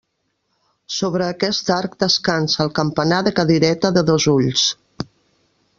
Sobre aquest arc descansa el campanar de cadireta de dos ulls.